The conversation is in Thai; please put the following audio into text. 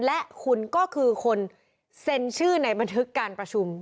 และคุณก็คือคนเซ็นชื่อในบันทึกการประชุม